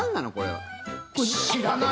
知らない。